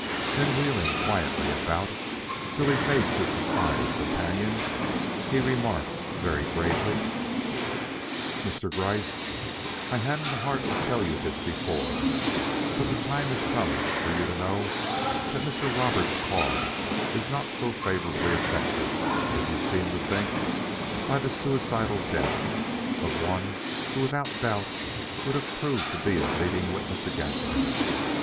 Then wheeling quietly about till he faced his surprised companion, he remarked very gravely: "Mr. Gryce, I hadn't the heart to tell you this before, but the time has come for you to know that Mr. Roberts' cause is not so favorably affected, as you seem to think, by this suicidal death of one who without doubt would have proved to be a leading witness against him.